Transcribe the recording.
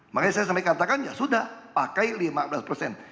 makanya saya sampai katakan ya sudah pakai lima belas persen